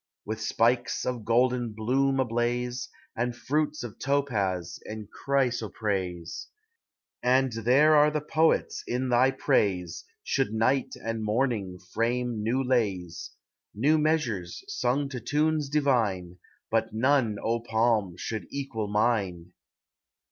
229 With spikes of golden bloom ablaze, And fruits of topaz and chrysoprase ; And there the poets, in thy praise, Should night and morning frame new lays,— New measures, sung to tunes divine; But none, O palm, should equal mine!